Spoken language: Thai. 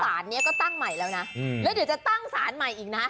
สารนี้ก็ตั้งใหม่แล้วนะแล้วเดี๋ยวจะตั้งสารใหม่อีกนะ